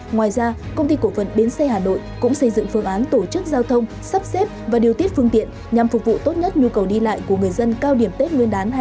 ngoài ra công ty cổ phần bến xe hà nội cũng xây dựng phương án tổ chức giao thông sắp xếp và điều tiết phương tiện nhằm phục vụ tốt nhất nhu cầu đi lại của người dân cao điểm tết nguyên đán hai nghìn hai mươi